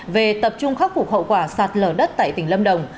về tập trung khắc phục hậu quả sạt lở đất tại tỉnh lâm đồng